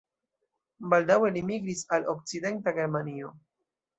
Baldaŭe li migris al Okcidenta Germanio.